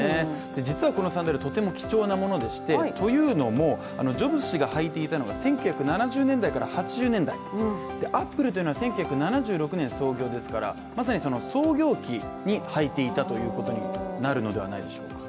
実はこのサンダル、とても貴重なものでしてというのもジョブズ氏が履いていたのが１９７０年代から８０年代、アップルというのは１９７６年創業ですからまさに、創業期に履いていたということになるのではないでしょうか。